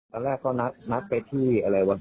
บอกแค่สามีเขาด้วยใช่ไหม